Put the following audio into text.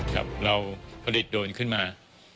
ครับเราผลิตโดรนขึ้นมา